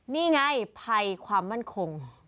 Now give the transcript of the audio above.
นี่ไงภัยความมั่นคง